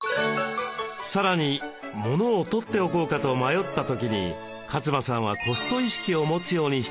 さらにモノをとっておこうかと迷った時に勝間さんはコスト意識を持つようにしたといいます。